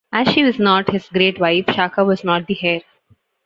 As she was not his Great Wife, Shaka was not the heir.